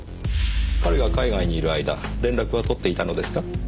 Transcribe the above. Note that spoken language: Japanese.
彼が海外にいる間連絡は取っていたのですか？